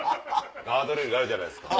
「ガードレールがあるじゃないですか」。